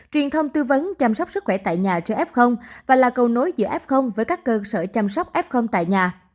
truyền thông tư vấn chăm sóc sức khỏe tại nhà cho f và là cầu nối giữa f với các cơ sở chăm sóc f tại nhà